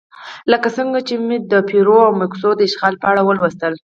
لکه څنګه مو چې د پیرو او مکسیکو د اشغال په اړه ولوستل.